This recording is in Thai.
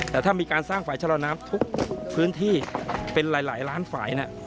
แต่ถ้ามีการสร้างฝ่ายชะลอน้ำทุกพื้นที่เป็นหลายล้านฝ่าย